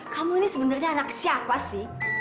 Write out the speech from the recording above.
kamu ini sebenarnya anak siapa sih